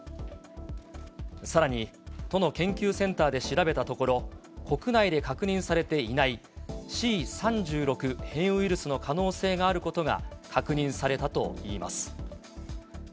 さらに都の研究センターで調べたところ、国内で確認されていないＣ３６変異ウイルスの可能性があることが確認されたといいます。